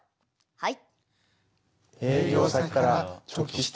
はい。